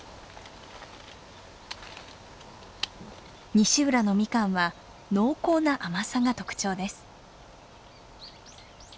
西浦のミカンは濃厚な甘さが特徴です。